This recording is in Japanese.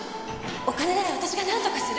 お金なら私がなんとかする。